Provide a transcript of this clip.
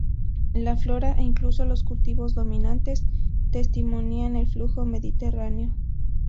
La "flora" e incluso los cultivos dominantes testimonian el influjo mediterráneo.